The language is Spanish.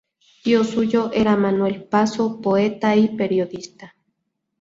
Tío suyo era Manuel Paso, poeta y periodista.